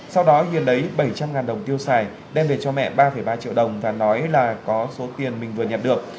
sau đó hiền lấy bảy trăm linh đồng tiêu xài đem về cho mẹ ba ba triệu đồng và nói là có số tiền mình vừa nhận được